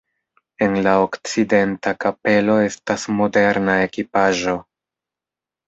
En la okcidenta kapelo estas moderna ekipaĵo.